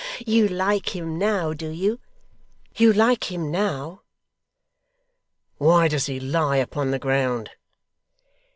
You like him now, do you? You like him now!' 'Why does he lie upon the ground?